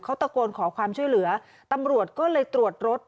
เขาตะโกนขอความช่วยเหลือตำรวจก็เลยตรวจรถ